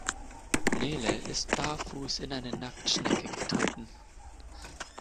Nele ist barfuß in eine Nacktschnecke getreten.